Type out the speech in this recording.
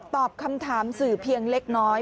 ตอบคำถามสื่อเพียงเล็กน้อย